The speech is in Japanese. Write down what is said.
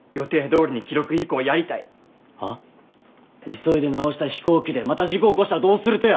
急いで直した飛行機でまた事故起こしたらどうするとや！